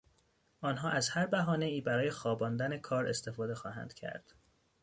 آنها از هر بهانهای برای خواباندن کار استفاده خواهند کرد.